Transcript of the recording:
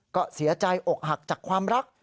ก็เสียใจอกหักจากความรัก